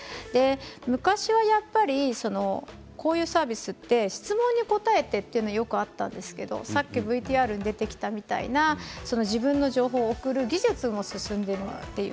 昔はやっぱりこういうサービスって質問に答えたということはよくあったんですけどＶＴＲにあったように自分の情報を送る技術も進んでいきます。